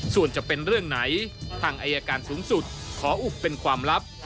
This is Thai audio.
ส่วนจะเป็นเรื่องไหนทางอายการสูงสุดขออุบเป็นความลับ